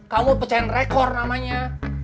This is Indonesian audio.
kamu pecahan rekor namanya